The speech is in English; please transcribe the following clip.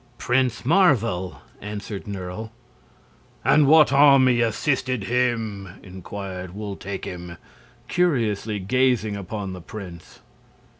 "Prince Marvel," answered Nerle. "And what army assisted him?" inquired Wul Takim, curiously gazing upon the prince.